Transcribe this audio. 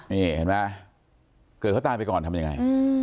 นี่เห็นไหมเกิดเขาตายไปก่อนทำยังไง